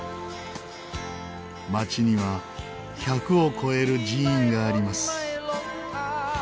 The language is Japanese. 町には１００を超える寺院があります。